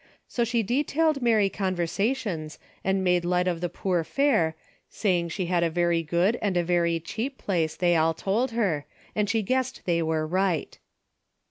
So she de 26 DAILY BATE. tailed merry conversations, and made light of the poor fare, saying she had a very good and a very cheap place they all told her and she guessed they were right.